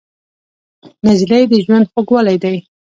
نجلۍ د ژوند خوږوالی دی.